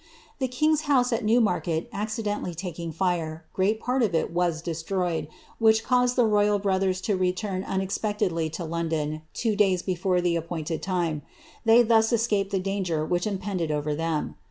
The king's house at Newmarket accidentally taking fir part of it was destroyed, which caused tlie royal brothers to unexpectedly to London two days before the appointed time : th escaped the danger which impended over tliem.